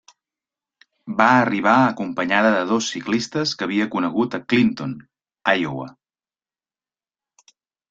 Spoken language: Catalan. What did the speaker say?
Va arribar acompanyada de dos ciclistes que havia conegut a Clinton, Iowa.